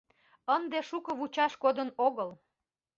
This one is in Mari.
Ынде шуко вучаш кодын огыл.